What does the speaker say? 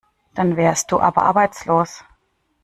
Dann wärst du aber arbeitslos.